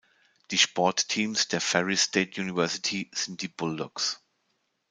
Die Sportteams der Ferris State University sind die "Bulldogs".